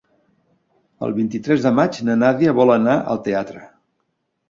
El vint-i-tres de maig na Nàdia vol anar al teatre.